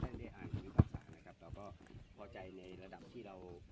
ท่านได้แล้วก็ท่านได้นะครับเราก็พอใจในระดับที่เรา